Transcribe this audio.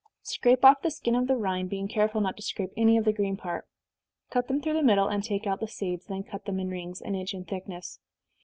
Scrape off the skin of the rind, being careful not to scrape any of the green part. Cut them through the middle, and take out the seeds then cut them in rings, an inch in thickness.